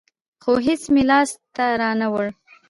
خو هېڅ مې لاس ته رانه وړل.